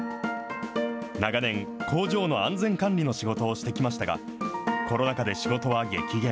長年、工場の安全管理の仕事をしてきましたが、コロナ禍で仕事は激減。